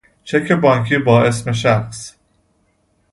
چک بانکی با اسم شخص